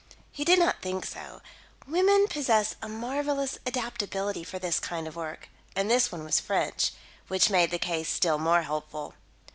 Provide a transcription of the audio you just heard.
He did not think so. Women possess a marvellous adaptability for this kind of work and this one was French, which made the case still more hopeful.